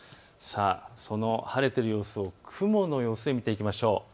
その晴れている様子を雲の様子で見ていきましょう。